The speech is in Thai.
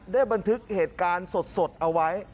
บันทึกเหตุการณ์สดเอาไว้